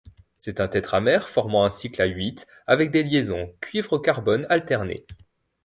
C'est un tétramère formant un cycle à huit avec des liaisons Cu-C alternées.